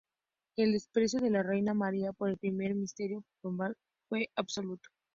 El desprecio de la reina María por el primer ministro Pombal fue absoluto.